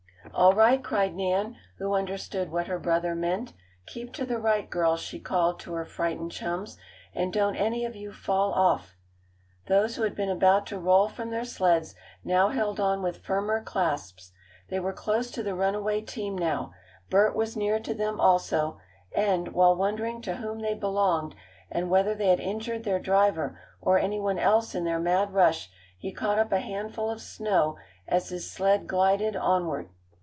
"All right!" cried Nan, who understood what her brother meant. "Keep to the right, girls," she called to her frightened chums, "and don't any of you fall off!" Those who had been about to roll from their sleds now held on with firmer clasps. They were close to the runaway team now. Bert was near to them also, and, while wondering to whom they belonged, and whether they had injured their driver or anyone else in their mad rush, he caught up a handful of snow as his sled glided onward.